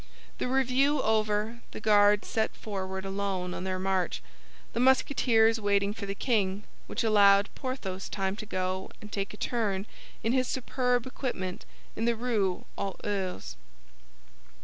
The review over, the Guards set forward alone on their march, the Musketeers waiting for the king, which allowed Porthos time to go and take a turn in his superb equipment in the Rue aux Ours.